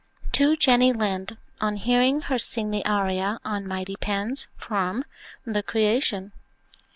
TO JENNY LIND, ON HEARING HER SING THE ARIA "ON MIGHTY PENS," FROM "THE CREATION."